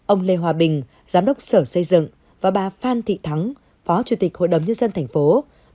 ông lê hòa bình giám đốc sở xây dựng và bà phan thị thắng phó chủ tịch hội đồng nhân dân thành phố